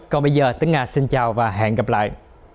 còn bây giờ tướng a xin chào và hẹn gặp lại